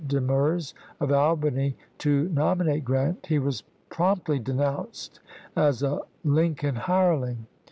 Demers of Albany to nominate Grant, he was promptly denounced as a Lincoln hireling.